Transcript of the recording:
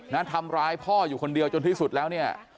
นะทำร้ายพ่ออยู่คนเดียวจนที่สุดแล้วเนี่ย